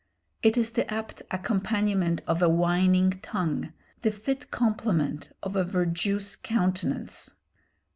It is the apt accompaniment of a whining tongue, the fit complement of a verjuice countenance.